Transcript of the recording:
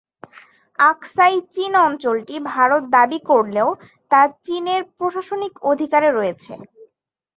আকসাই চিন অঞ্চলটি ভারত দাবী করলেও তা চীনের প্রশাসনিক অধিকারে রয়েছে।